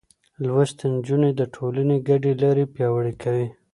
لوستې نجونې د ټولنې ګډې لارې پياوړې کوي.